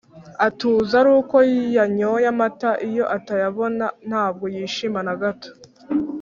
Atuza aruko yanyoye amata iyo atarayabona ntabwo yishima nagato